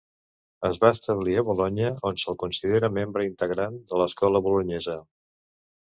Es va establir a Bolonya, on se'l considera membre integrant de l'Escola Bolonyesa.